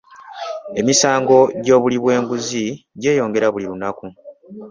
Emisango gy'obuli bw'enguzi gyeyongera buli lunaku.